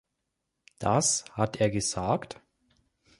Das hat er gesagt?